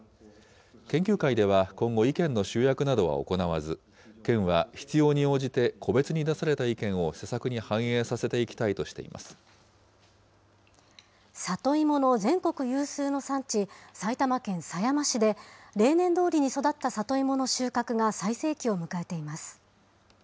研究会では、今後、意見の集約などは行わず、県は必要に応じて個別に出された意見を施策に反映さ里芋の全国有数の産地、埼玉県狭山市で、例年どおりに育った里芋の収穫が最盛期を迎えています。